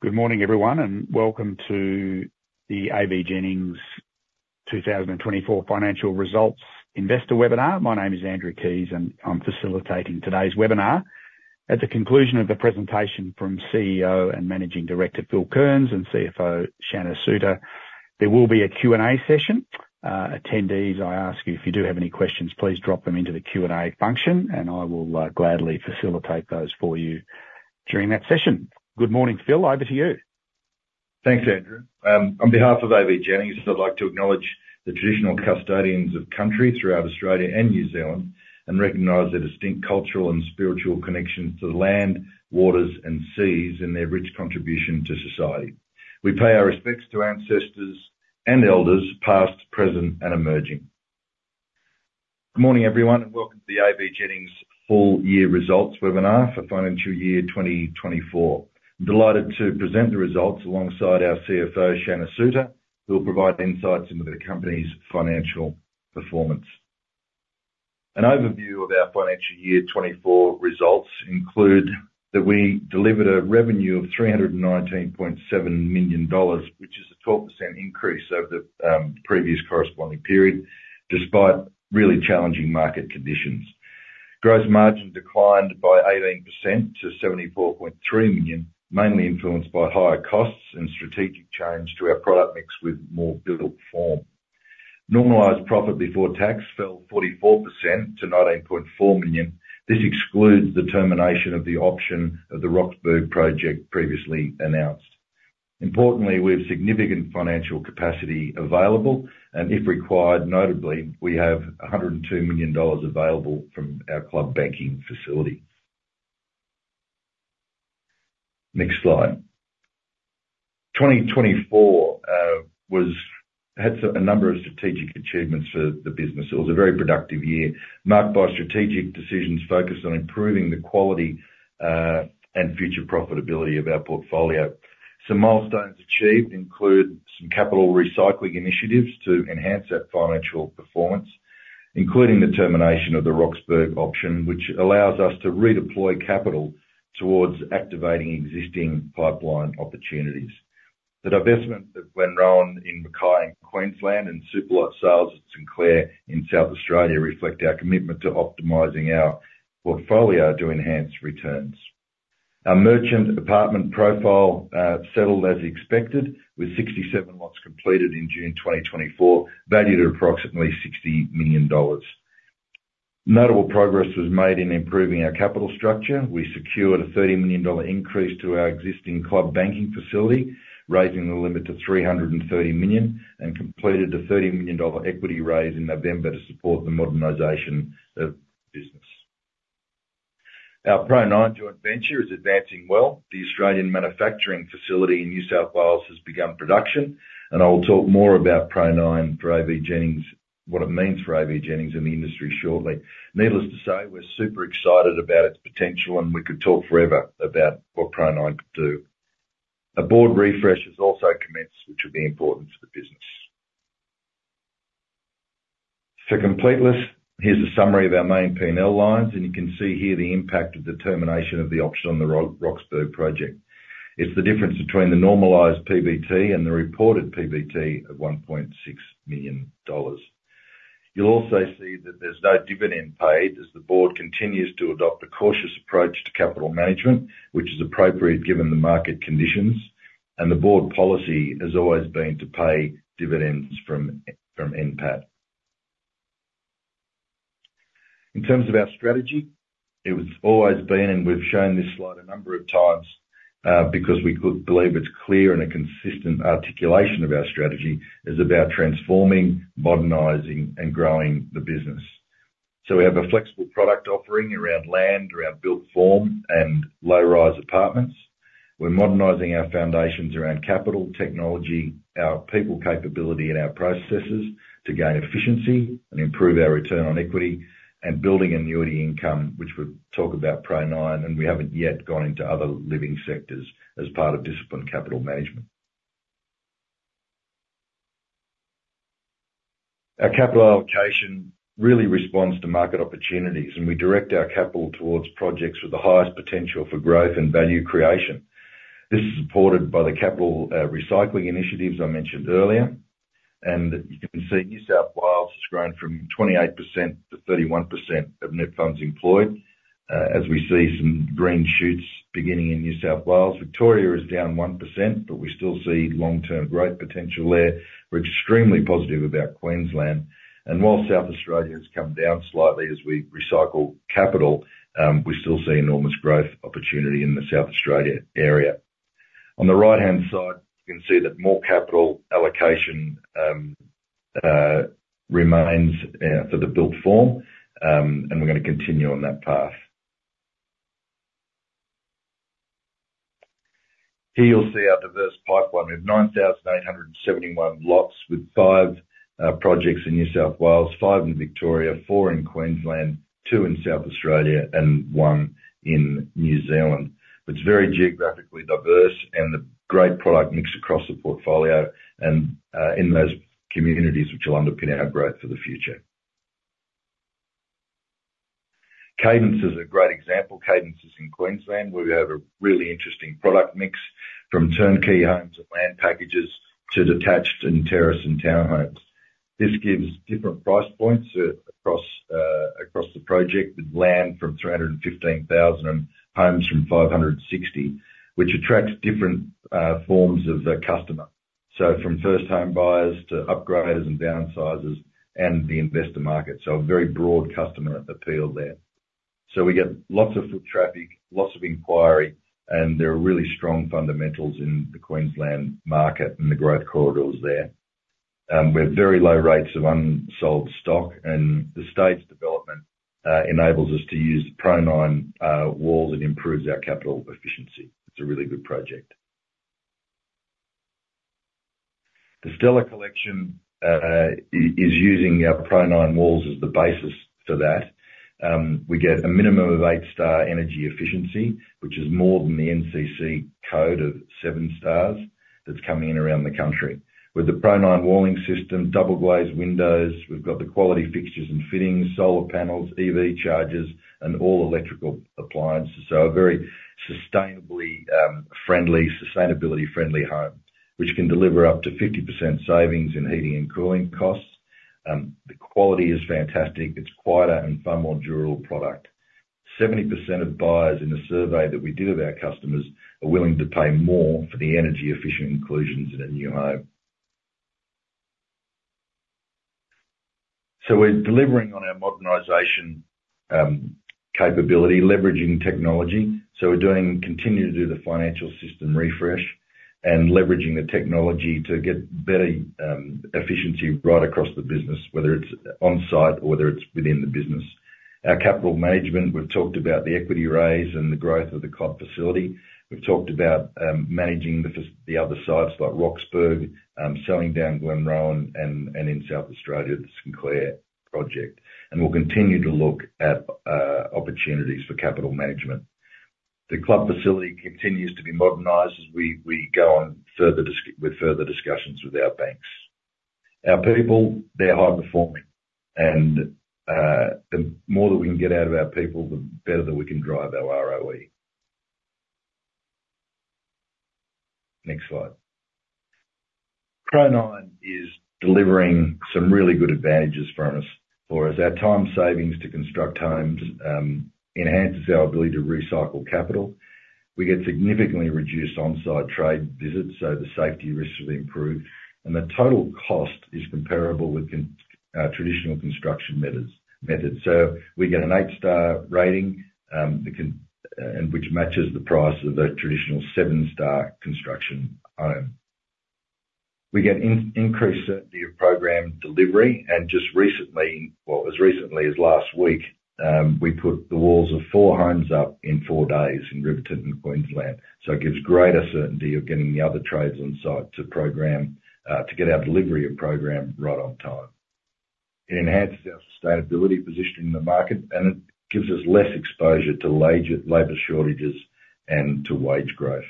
Good morning, everyone, and welcome to the AVJennings two thousand and twenty-four financial results investor webinar. My name is Andrew Keys, and I'm facilitating today's webinar. At the conclusion of the presentation from CEO and Managing Director, Phil Kearns, and CFO, Shanna Suter, there will be a Q&A session. Attendees, I ask you, if you do have any questions, please drop them into the Q&A function, and I will gladly facilitate those for you during that session. Good morning, Phil. Over to you. Thanks, Andrew. On behalf of AVJennings, I'd like to acknowledge the traditional custodians of country throughout Australia and New Zealand, and recognize their distinct cultural and spiritual connection to the land, waters, and seas, and their rich contribution to society. We pay our respects to ancestors and elders, past, present, and emerging. Good morning, everyone, and welcome to the AVJennings full year results webinar for financial year 2024. Delighted to present the results alongside our CFO, Shanna Suter, who will provide insights into the company's financial performance. An overview of our financial year 2024 results include that we delivered a revenue of 319.7 million dollars, which is a 12% increase over the previous corresponding period, despite really challenging market conditions. Gross margin declined by 18% to 74.3 million, mainly influenced by higher costs and strategic change to our product mix with more built form. Normalized profit before tax fell 44% to 19.4 million. This excludes the termination of the option of the Roxburgh project previously announced. Importantly, we have significant financial capacity available, and if required, notably, we have 102 million dollars available from our Club Banking Facility. Next slide. 2024 had a number of strategic achievements for the business. It was a very productive year, marked by strategic decisions focused on improving the quality and future profitability of our portfolio. Some milestones achieved include some capital recycling initiatives to enhance our financial performance, including the termination of the Roxburgh option, which allows us to redeploy capital towards activating existing pipeline opportunities. The divestment of Glenrowan in Mackay, Queensland, and super lot sales at St Clair in South Australia reflect our commitment to optimizing our portfolio to enhance returns. Our merchant apartment profile settled as expected, with 67 lots completed in June 2024, valued at approximately 60 million dollars. Notable progress was made in improving our capital structure. We secured a 30 million dollar increase to our existing club banking facility, raising the limit to 330 million, and completed the 30 million dollar equity raise in November to support the modernization of business. Our Pro9 joint venture is advancing well. The Australian manufacturing facility in New South Wales has begun production, and I will talk more about Pro9 for AVJennings, what it means for AVJennings in the industry shortly. Needless to say, we're super excited about its potential, and we could talk forever about what Pro Nine could do. A board refresh has also commenced, which will be important for the business. To complete this, here's a summary of our main P&L lines, and you can see here the impact of the termination of the option on the Roxburgh project. It's the difference between the normalized PBT and the reported PBT of 1.6 million dollars. You'll also see that there's no dividend paid, as the board continues to adopt a cautious approach to capital management, which is appropriate given the market conditions, and the board policy has always been to pay dividends from NPAT. In terms of our strategy, it has always been, and we've shown this slide a number of times, because we believe it's clear and a consistent articulation of our strategy, is about transforming, modernizing, and growing the business. So we have a flexible product offering around land, around built form, and low-rise apartments. We're modernizing our foundations around capital, technology, our people capability and our processes to gain efficiency and improve our return on equity and building annuity income, which we'll talk about Pro9, and we haven't yet gone into other living sectors as part of disciplined capital management. Our capital allocation really responds to market opportunities, and we direct our capital towards projects with the highest potential for growth and value creation. This is supported by the capital recycling initiatives I mentioned earlier, and you can see New South Wales has grown from 28% to 31% of net funds employed. As we see some green shoots beginning in New South Wales, Victoria is down 1%, but we still see long-term growth potential there. We're extremely positive about Queensland, and while South Australia has come down slightly as we recycle capital, we still see enormous growth opportunity in the South Australia area. On the right-hand side, you can see that more capital allocation remains for the built form, and we're gonna continue on that path. Here you'll see our diverse pipeline. We have 9,878 lots with five projects in New South Wales, five in Victoria, four in Queensland, two in South Australia, and one in New Zealand. It's very geographically diverse and a great product mix across the portfolio and in those communities, which will underpin our growth for the future. Cadence is a great example. Cadence is in Queensland, where we have a really interesting product mix, from turnkey homes and land packages to detached and terrace and townhomes. This gives different price points across the project, with land from 315,000, and homes from 560,000, which attracts different forms of customer. So from first-time buyers to upgraders and downsizers and the investor market, so a very broad customer appeal there. So we get lots of foot traffic, lots of inquiry, and there are really strong fundamentals in the Queensland market and the growth corridors there. We have very low rates of unsold stock, and the estate's development enables us to use Pro9 walls and improves our capital efficiency. It's a really good project. The Stella Collection is using our Pro9 walls as the basis for that. We get a minimum of eight-star energy efficiency, which is more than the NCC code of seven stars that's coming in around the country. With the Pro9 walling system, double-glazed windows, we've got the quality fixtures and fittings, solar panels, EV chargers, and all electrical appliances. So a very sustainability-friendly home, which can deliver up to 50% savings in heating and cooling costs. The quality is fantastic. It's quieter and far more durable product. 70% of buyers in a survey that we did of our customers are willing to pay more for the energy-efficient inclusions in a new home. So we're delivering on our modernization capability, leveraging technology, so we continue to do the financial system refresh and leveraging the technology to get better efficiency right across the business, whether it's on-site or whether it's within the business. Our capital management, we've talked about the equity raise and the growth of the club facility. We've talked about managing the other sites like Roxburgh, selling down Glenrowan, and in South Australia, the St Clair project, and we'll continue to look at opportunities for capital management. The club facility continues to be modernized as we go on with further discussions with our banks. Our people, they're high performing, and the more that we can get out of our people, the better that we can drive our ROE. Next slide. Pro9 is delivering some really good advantages for us. For us, our time savings to construct homes enhances our ability to recycle capital. We get significantly reduced on-site trade visits, so the safety risks are improved, and the total cost is comparable with traditional construction methods. So we get an eight-star rating, and which matches the price of a traditional seven-star construction home. We get increased certainty of program delivery, and just recently, well, as recently as last week, we put the walls of four homes up in four days in Riverton, in Queensland. It gives greater certainty of getting the other trades on site to program to get our delivery and program right on time. It enhances our sustainability position in the market, and it gives us less exposure to labor shortages and to wage growth.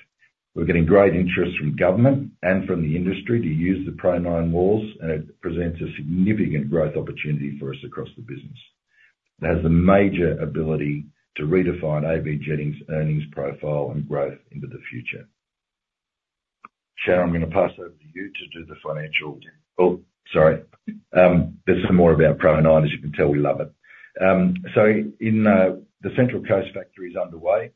We're getting great interest from government and from the industry to use the Pro9 walls, and it presents a significant growth opportunity for us across the business. It has the major ability to redefine AVJennings' earnings profile and growth into the future. Shanna, I'm going to pass over to you to do the financial... Oh, sorry. There's some more about Pro9. As you can tell, we love it. So in the Central Coast factory is underway.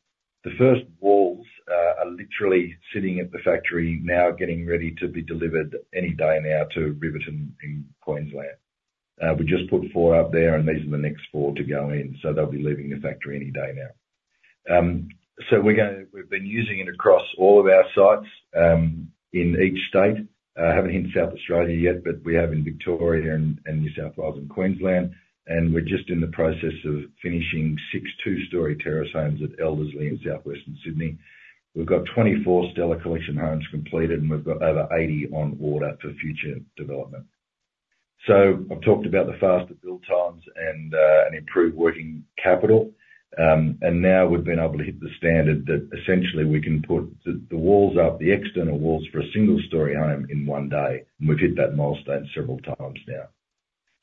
The first walls are literally sitting at the factory now, getting ready to be delivered any day now to Riverton in Queensland. We just put four up there, and these are the next four to go in, so they'll be leaving the factory any day now. We've been using it across all of our sites in each state. Haven't hit South Australia yet, but we have in Victoria and New South Wales and Queensland, and we're just in the process of finishing six two-story terrace homes at Elderslie in southwestern Sydney. We've got twenty-four Stella Collection homes completed, and we've got over eighty on order for future development. I've talked about the faster build times and improved working capital. And now we've been able to hit the standard that essentially we can put the walls up, the external walls for a single-story home in one day, and we've hit that milestone several times now.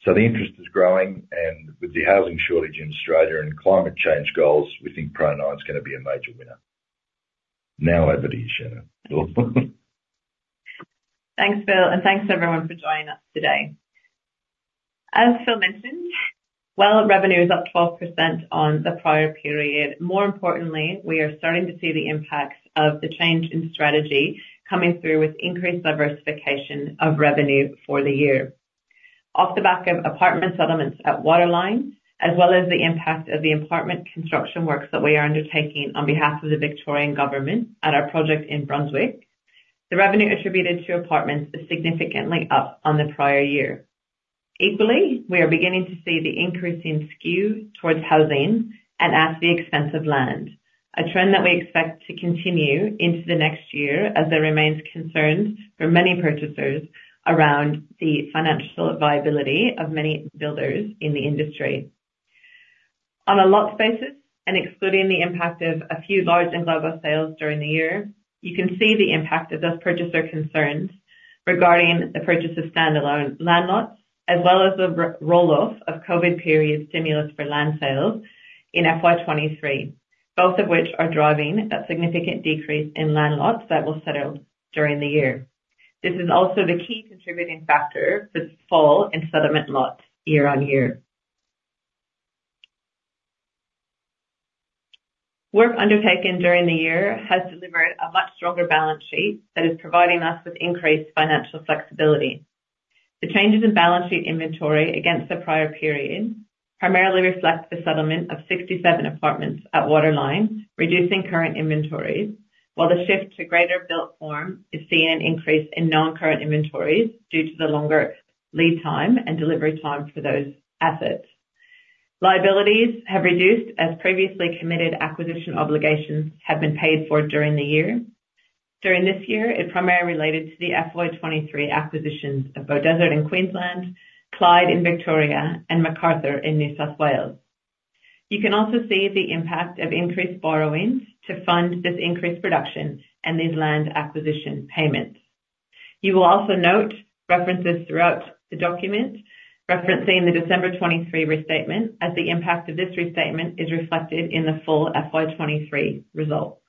So the interest is growing, and with the housing shortage in Australia and climate change goals, we think Pro9's gonna be a major winner. Now over to you, Shanna. Thanks, Phil, and thanks, everyone, for joining us today. As Phil mentioned, while revenue is up 12% on the prior period, more importantly, we are starting to see the impacts of the change in strategy coming through with increased diversification of revenue for the year. Off the back of apartment settlements at Waterline, as well as the impact of the apartment construction works that we are undertaking on behalf of the Victorian Government at our project in Brunswick, the revenue attributed to apartments is significantly up on the prior year. Equally, we are beginning to see the increase in skew towards housing and at the expense of land, a trend that we expect to continue into the next year, as there remains concerns for many purchasers around the financial viability of many builders in the industry. On a lot basis, and excluding the impact of a few large and global sales during the year, you can see the impact of those purchaser concerns regarding the purchase of standalone land lots, as well as the roll-off of COVID period stimulus for land sales in FY 2023, both of which are driving a significant decrease in land lots that will settle during the year. This is also the key contributing factor for the fall in settlement lots year-on-year. Work undertaken during the year has delivered a much stronger balance sheet that is providing us with increased financial flexibility. The changes in balance sheet inventory against the prior period primarily reflect the settlement of sixty-seven apartments at Waterline, reducing current inventories, while the shift to greater built form is seeing an increase in non-current inventories due to the longer lead time and delivery time for those assets. Liabilities have reduced as previously committed acquisition obligations have been paid for during the year. During this year, it primarily related to the FY 2023 acquisitions of Beaudesert in Queensland, Clyde in Victoria, and Macarthur in New South Wales. You can also see the impact of increased borrowings to fund this increased production and these land acquisition payments. You will also note references throughout the document, referencing the December 2023 restatement, as the impact of this restatement is reflected in the full FY 2023 results.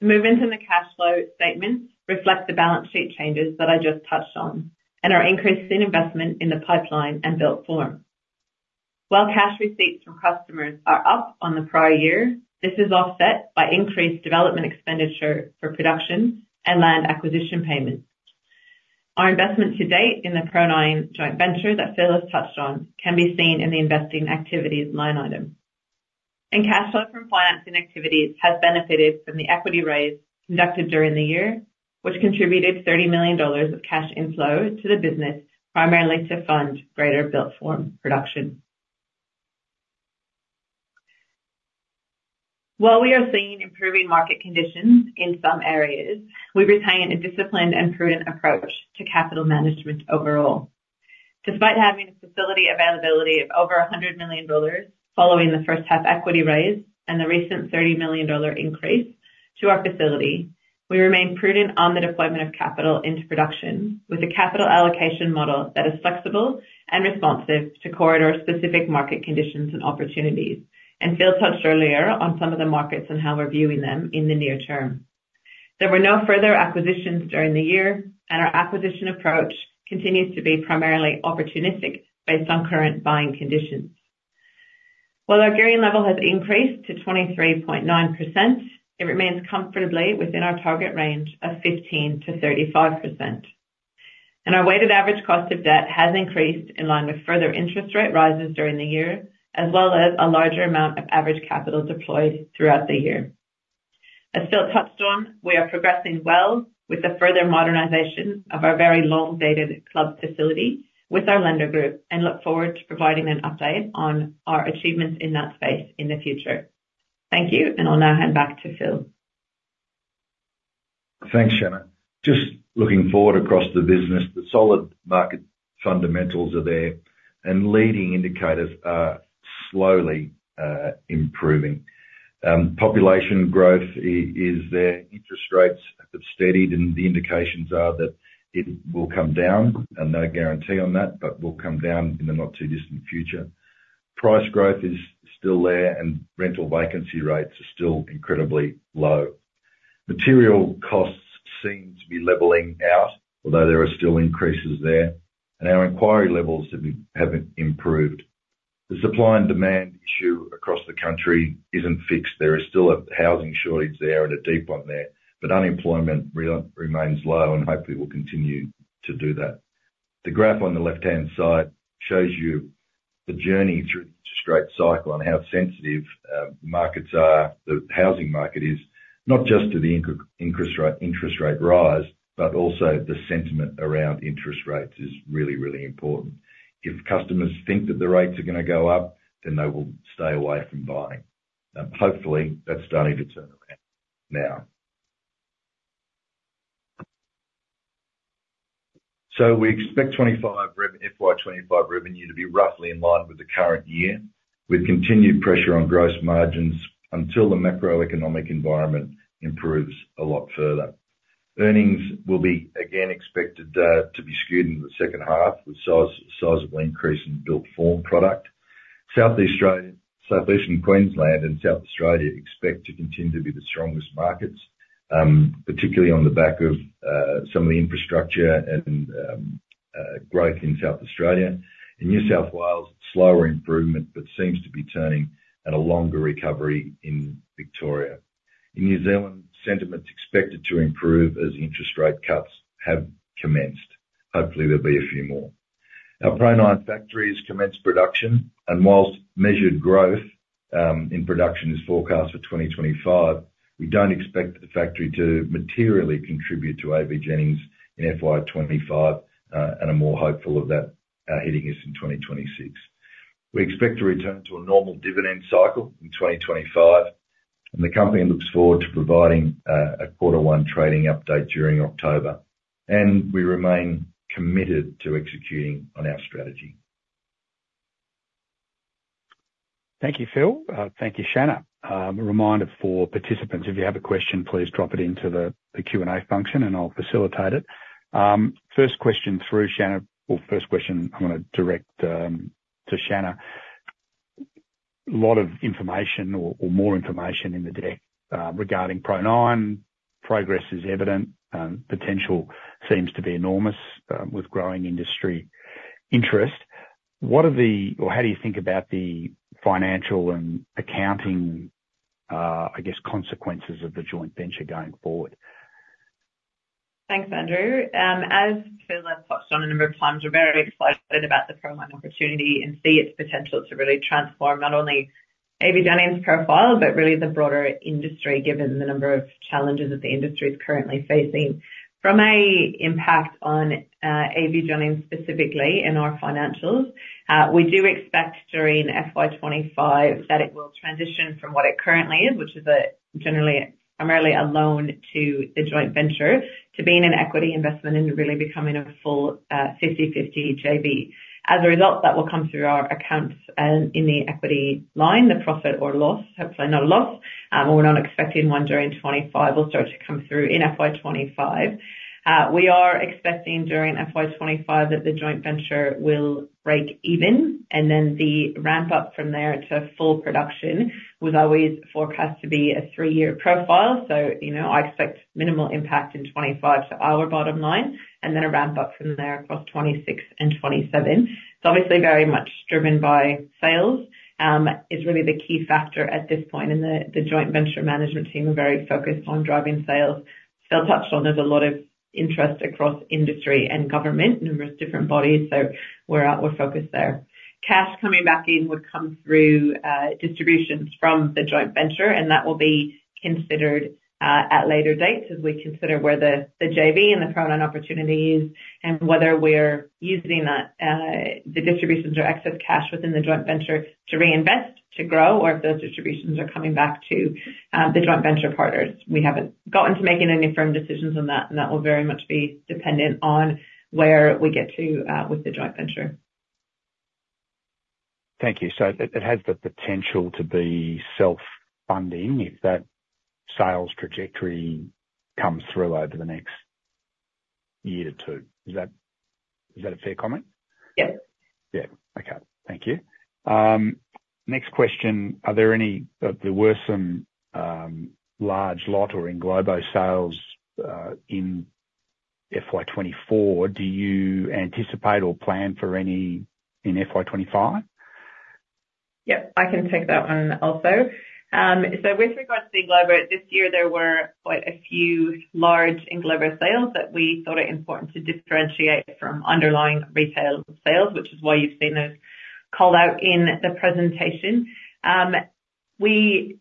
Movement in the cash flow statement reflects the balance sheet changes that I just touched on and our increases in investment in the pipeline and built form. While cash receipts from customers are up on the prior year, this is offset by increased development expenditure for production and land acquisition payments. Our investment to date in the Pro9 joint venture that Phil has touched on can be seen in the investing activities line item, and cash flow from financing activities has benefited from the equity raise conducted during the year, which contributed 30 million dollars of cash inflow to the business, primarily to fund greater built form production. While we are seeing improving market conditions in some areas, we retain a disciplined and prudent approach to capital management overall. Despite having a facility availability of over 100 million dollars following the first half equity raise and the recent 30 million dollar increase to our facility, we remain prudent on the deployment of capital into production, with a capital allocation model that is flexible and responsive to corridor-specific market conditions and opportunities, and Phil touched earlier on some of the markets and how we're viewing them in the near term. There were no further acquisitions during the year, and our acquisition approach continues to be primarily opportunistic based on current buying conditions. While our gearing level has increased to 23.9%, it remains comfortably within our target range of 15%-35%, and our weighted average cost of debt has increased in line with further interest rate rises during the year, as well as a larger amount of average capital deployed throughout the year. As Phil touched on, we are progressing well with the further modernization of our very long-dated club facility with our lender group and look forward to providing an update on our achievements in that space in the future. Thank you, and I'll now hand back to Phil. Thanks, Shanna. Just looking forward across the business, the solid market fundamentals are there and leading indicators are slowly improving. Population growth is there, interest rates have steadied, and the indications are that it will come down, and no guarantee on that, but will come down in the not-too-distant future. Price growth is still there, and rental vacancy rates are still incredibly low. Material costs seem to be leveling out, although there are still increases there, and our inquiry levels haven't improved. The supply and demand issue across the country isn't fixed. There is still a housing shortage there and a deep one there, but unemployment remains low and hopefully will continue to do that. The graph on the left-hand side shows you the journey through the interest rate cycle and how sensitive markets are, the housing market is, not just to the interest rate rise, but also the sentiment around interest rates is really, really important. If customers think that the rates are gonna go up, then they will stay away from buying. Hopefully, that's starting to turn around now. We expect FY twenty-five revenue to be roughly in line with the current year, with continued pressure on gross margins until the macroeconomic environment improves a lot further. Earnings will be again expected to be skewed in the second half, with sizable increase in built form product. South Australia. Southeastern Queensland and South Australia expect to continue to be the strongest markets, particularly on the back of some of the infrastructure and growth in South Australia. In New South Wales, slower improvement, but seems to be turning at a longer recovery in Victoria. In New Zealand, sentiment's expected to improve as interest rate cuts have commenced. Hopefully, there'll be a few more. Our Pro9 factories commenced production, and whilst measured growth in production is forecast for 2025, we don't expect the factory to materially contribute to AVJennings in FY 2025, and are more hopeful of that hitting us in 2026. We expect to return to a normal dividend cycle in 2025, and the company looks forward to providing a quarter one trading update during October, and we remain committed to executing on our strategy. Thank you, Phil. Thank you, Shanna. A reminder for participants, if you have a question, please drop it into the Q&A function, and I'll facilitate it. First question through Shanna, or first question I'm gonna direct to Shanna. Lot of information or more information in the deck regarding Pro9. Progress is evident, potential seems to be enormous with growing industry interest. What are the... or how do you think about the financial and accounting, I guess, consequences of the joint venture going forward? Thanks, Andrew. As Phil has touched on a number of times, we're very excited about the Pro9 opportunity and see its potential to really transform not only AVJennings' profile, but really the broader industry, given the number of challenges that the industry is currently facing. From an impact on AVJennings, specifically, and our financials, we do expect during FY 2025 that it will transition from what it currently is, which is generally primarily a loan to the joint venture, to being an equity investment and really becoming a full 50/50 JV. As a result, that will come through our accounts in the equity line, the profit or loss, hopefully no loss. We're not expecting one during 2025. It will start to come through in FY 2025. We are expecting during FY 2025 that the joint venture will break even, and then the ramp up from there to full production was always forecast to be a three-year profile. So, you know, I expect minimal impact in 2025 to our bottom line, and then a ramp up from there across 2026 and 2027. It's obviously very much driven by sales, is really the key factor at this point, and the joint venture management team are very focused on driving sales. Phil touched on, there's a lot of interest across industry and government, numerous different bodies, so we're focused there. Cash coming back in would come through distributions from the joint venture, and that will be considered at later dates as we consider where the JV and the Pro9 opportunity is, and whether we're using that, the distributions or excess cash within the joint venture to reinvest, to grow, or if those distributions are coming back to the joint venture partners. We haven't gotten to making any firm decisions on that, and that will very much be dependent on where we get to with the joint venture. Thank you. So it has the potential to be self-funding if that sales trajectory comes through over the next year or two. Is that a fair comment? Yeah. Yeah. Okay. Thank you. Next question: Are there any, there were some large lot or englobo sales in FY twenty-four. Do you anticipate or plan for any in FY twenty-five? Yep, I can take that one also. So with regards to Englobo, this year there were quite a few large Englobo sales that we thought are important to differentiate from underlying retail sales, which is why you've seen those called out in the presentation. We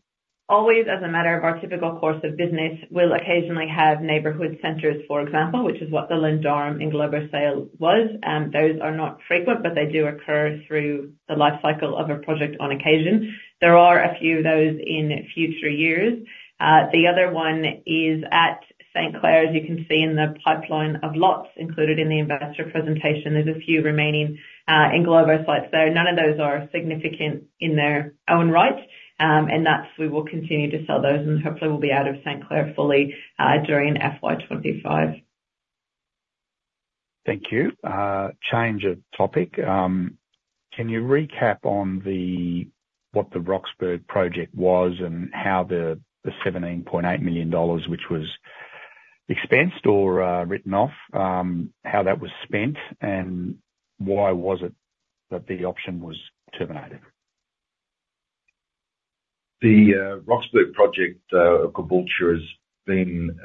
always, as a matter of our typical course of business, will occasionally have neighborhood centers, for example, which is what the Lyndarum Englobo sale was. Those are not frequent, but they do occur through the life cycle of a project on occasion. There are a few of those in future years. The other one is at St Clair, as you can see in the pipeline of lots included in the investor presentation. There's a few remaining Englobo sites there. None of those are significant in their own right, and that's, we will continue to sell those, and hopefully we'll be out of St Clair fully, during FY twenty-five. Thank you. Change of topic. Can you recap on the, what the Roxburgh project was and how the, the 17.8 million dollars, which was expensed or, written off, how that was spent, and why was it that the option was terminated? The Roxburgh project, Caboolture, has been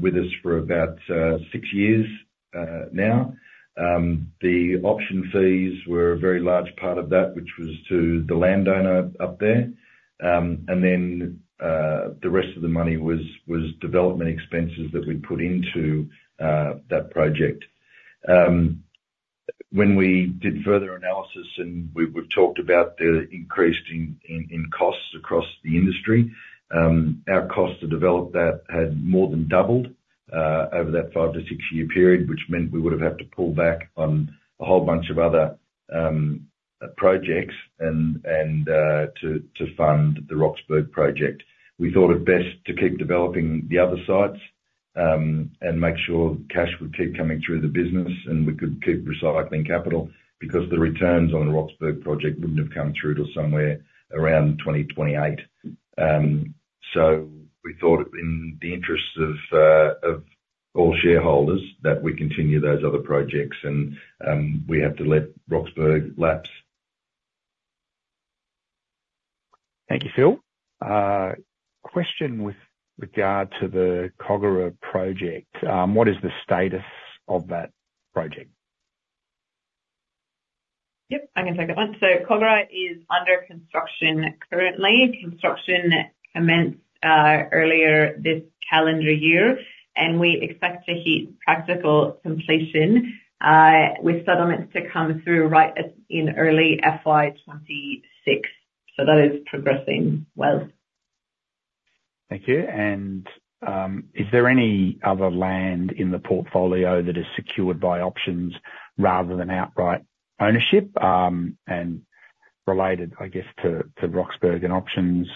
with us for about six years now. The option fees were a very large part of that, which was to the landowner up there. And then, the rest of the money was development expenses that we put into that project. When we did further analysis and we've talked about the increase in costs across the industry, our cost to develop that had more than doubled over that five- to six-year period, which meant we would have had to pull back on a whole bunch of other projects and to fund the Roxburgh project. We thought it best to keep developing the other sites, and make sure cash would keep coming through the business, and we could keep recycling capital, because the returns on the Roxburgh project wouldn't have come through till somewhere around 2028. So we thought in the interests of all shareholders, that we continue those other projects and we have to let Roxburgh lapse. Thank you, Phil. Question with regard to the Kogarah project. What is the status of that project? Yep, I can take that one. Kogarah is under construction currently. Construction commenced earlier this calendar year, and we expect to hit practical completion with settlements to come through in early FY 2026. That is progressing well. Thank you. And, is there any other land in the portfolio that is secured by options rather than outright ownership? And related, I guess, to Roxburgh and options, is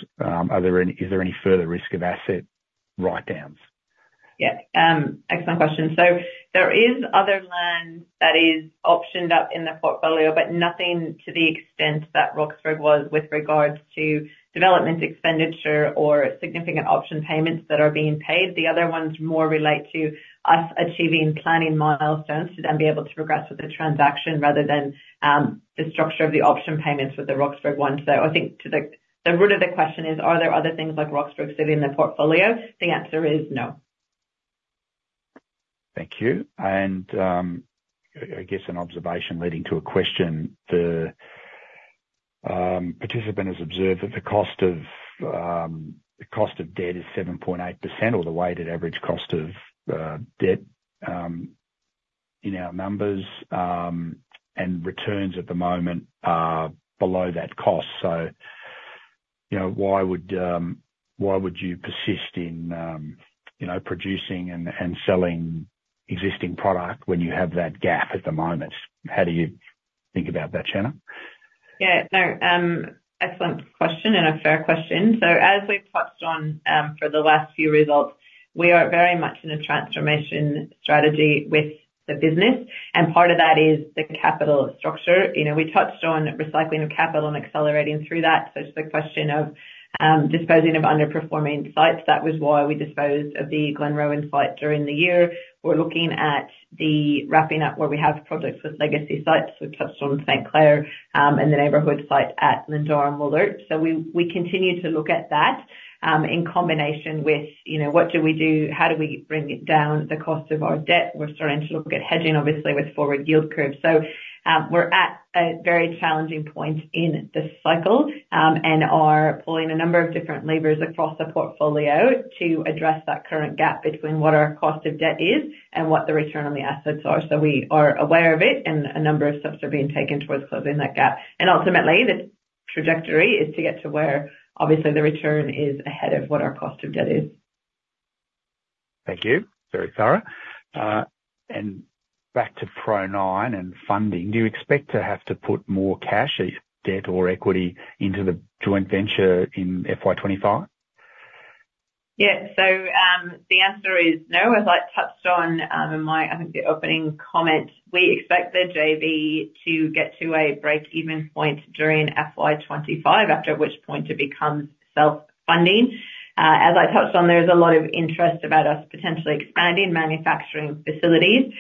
there any further risk of asset write-downs? Yeah, excellent question. So there is other land that is optioned up in the portfolio, but nothing to the extent that Roxburgh was with regards to development expenditure or significant option payments that are being paid. The other ones more relate to us achieving planning milestones, to then be able to progress with the transaction rather than, the structure of the option payments with the Roxburgh one. So I think to the root of the question is: are there other things like Roxburgh in the portfolio? The answer is no. Thank you. And, I guess an observation leading to a question. The participant has observed that the cost of debt is 7.8%, or the weighted average cost of debt in our numbers, and returns at the moment are below that cost. So, you know, why would you persist in, you know, producing and selling existing product when you have that gap at the moment? How do you think about that, Shanna? Yeah. No, excellent question, and a fair question. So as we've touched on, for the last few results, we are very much in a transformation strategy with the business, and part of that is the capital structure. You know, we touched on recycling of capital and accelerating through that. So it's a question of, disposing of underperforming sites. That was why we disposed of the Glenrowan site during the year. We're looking at the wrapping up where we have projects with legacy sites. We've touched on St Clair, and the neighborhood site at Mindarie and Wollert. So we continue to look at that, in combination with, you know, what do we do? How do we bring it down, the cost of our debt? We're starting to look at hedging, obviously, with forward yield curves. So, we're at a very challenging point in this cycle, and are pulling a number of different levers across the portfolio to address that current gap between what our cost of debt is and what the return on the assets are. So we are aware of it, and a number of steps are being taken towards closing that gap. And ultimately, the trajectory is to get to where, obviously, the return is ahead of what our cost of debt is. Thank you. Very thorough. And back to Pro9 and funding, do you expect to have to put more cash, either debt or equity, into the joint venture in FY 25? Yeah. So, the answer is no. As I touched on, in my, I think, the opening comment, we expect the JV to get to a break-even point during FY twenty-five, after which point it becomes self-funding. As I touched on, there's a lot of interest about us potentially expanding manufacturing facilities.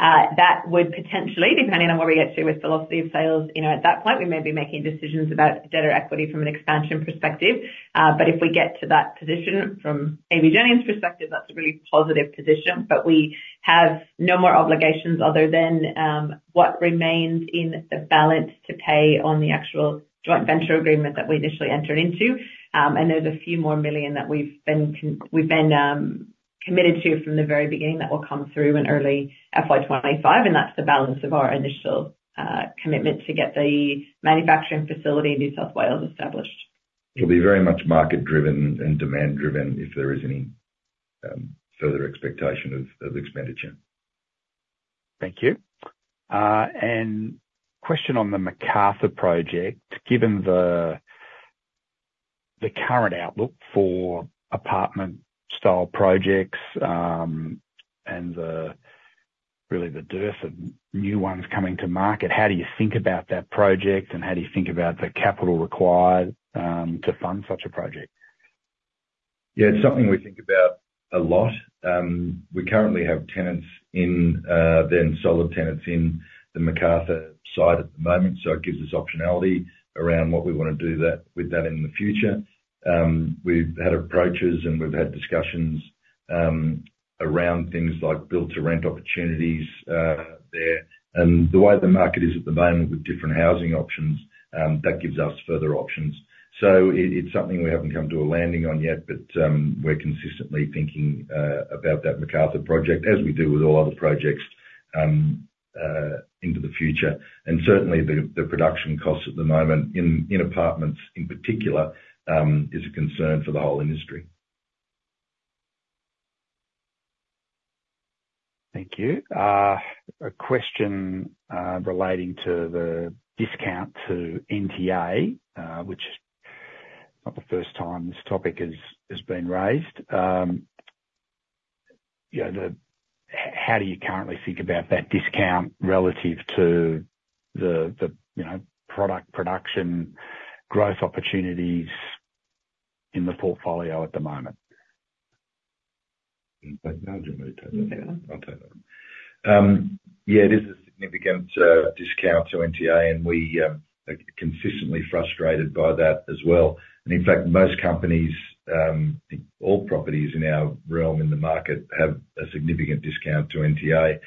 That would potentially, depending on where we get to with velocity of sales, you know, at that point, we may be making decisions about debt or equity from an expansion perspective. But if we get to that position from AVJennings' perspective, that's a really positive position. But we have no more obligations other than, what remains in the balance to pay on the actual joint venture agreement that we initially entered into. And there's a few more million that we've been committed to from the very beginning that will come through in early FY twenty-five, and that's the balance of our initial commitment to get the manufacturing facility in New South Wales established. It'll be very much market driven and demand driven, if there is any further expectation of expenditure. Thank you, and question on the Macarthur project. Given the current outlook for apartment-style projects, and, really, the dearth of new ones coming to market, how do you think about that project, and how do you think about the capital required to fund such a project? Yeah, it's something we think about a lot. We currently have tenants in, then solid tenants in the Macarthur site at the moment, so it gives us optionality around what we wanna do that, with that in the future. We've had approaches and we've had discussions, around things like build-to-rent opportunities, there. And the way the market is at the moment with different housing options, that gives us further options. So it, it's something we haven't come to a landing on yet, but, we're consistently thinking, about that Macarthur project, as we do with all other projects, into the future. And certainly, the, the production costs at the moment in, in apartments, in particular, is a concern for the whole industry. Thank you. A question relating to the discount to NTA, which not the first time this topic has been raised. You know, the... How do you currently think about that discount relative to the, the, you know, product production, growth opportunities in the portfolio at the moment? In fact, do you want me to take that? Yeah. I'll take that one. Yeah, it is a significant discount to NTA, and we are consistently frustrated by that as well. And in fact, most companies, all properties in our realm in the market have a significant discount to NTA.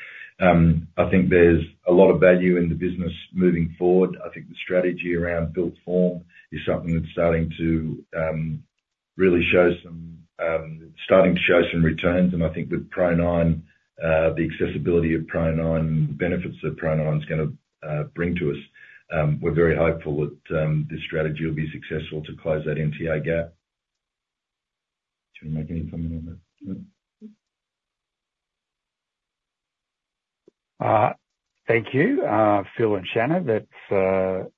I think there's a lot of value in the business moving forward. I think the strategy around built form is something that's starting to really show some returns. And I think with Pro9, the accessibility of Pro9, benefits that Pro9's gonna bring to us, we're very hopeful that this strategy will be successful to close that NTA gap. Do you want to make any comment on that? No. Thank you, Phil and Shanna. That's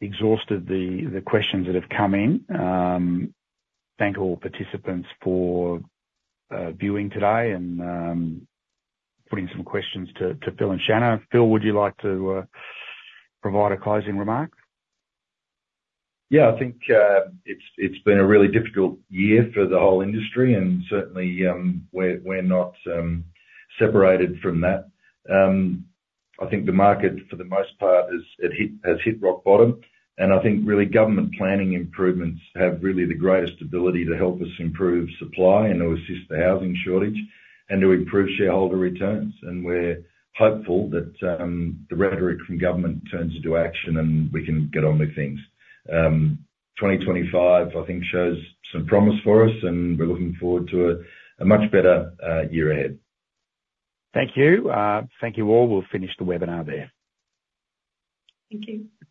exhausted the questions that have come in. Thank all participants for viewing today and putting some questions to Phil and Shanna. Phil, would you like to provide a closing remark? Yeah, I think it's been a really difficult year for the whole industry, and certainly we're not separated from that. I think the market, for the most part, has hit rock bottom. And I think really government planning improvements have really the greatest ability to help us improve supply and to assist the housing shortage and to improve shareholder returns. And we're hopeful that the rhetoric from government turns into action, and we can get on with things. Twenty twenty-five, I think, shows some promise for us, and we're looking forward to a much better year ahead. Thank you. Thank you, all. We'll finish the webinar there. Thank you.